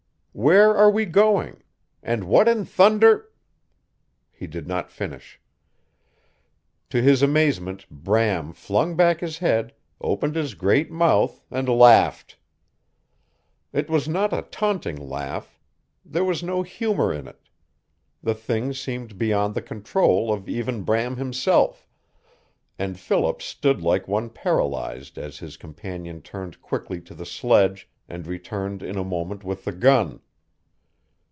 Where are we going? And what in thunder " He did not finish. To his amazement Bram flung back his head, opened his great mouth, and laughed. It was not a taunting laugh. There was no humor in it. The thing seemed beyond the control of even Bram himself, and Philip stood like one paralyzed as his companion turned quickly to the sledge and returned in a moment with the gun.